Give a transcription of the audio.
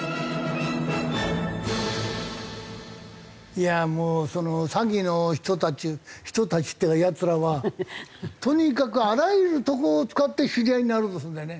いやあもう詐欺の人たち人たちっていうかヤツらはとにかくあらゆるとこを使って知り合いになろうとするんだよね。